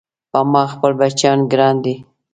په ما خپل بچيان ګران دي